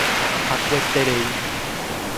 Hakueterei.